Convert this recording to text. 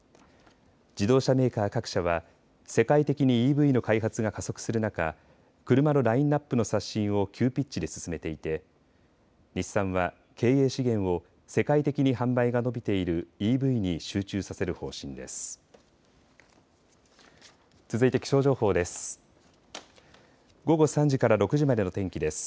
自動車メーカー各社は世界的にＥＶの開発が加速する中、車のラインナップの刷新を急ピッチで進めていて日産は経営資源を世界的に販売が伸びているＥＶに集中させる方針です。